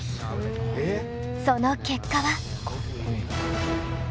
その結果は？